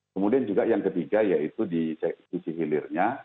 kemudian juga yang ketiga yaitu di sisi hilirnya